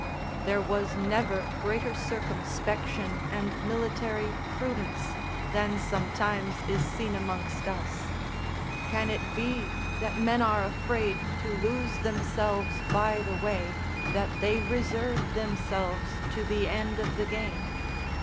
There was never greater circumspection and military prudence than sometimes is seen amongst us: can it be that men are afraid to lose themselves by the way, that they reserve themselves to the end of the game?